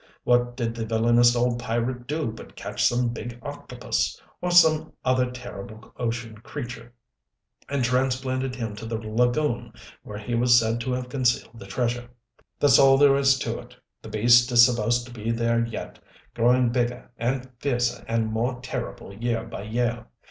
What did the villainous old pirate do but catch some big octopus or some other such terrible ocean creature and transplanted him to the lagoon where he was said to have concealed the treasure. "That's all there is to it. The beast is supposed to be there yet, growing bigger and fiercer and more terrible year by year.